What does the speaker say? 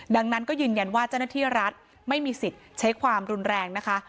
ดังนั้นก็ยืนยันว่าเจ้าหน้าที่รัฐไม่มีสิทธิ์ใช้ความรุนแรงนะคะ